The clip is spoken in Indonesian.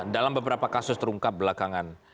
dalam beberapa kasus terungkap belakangan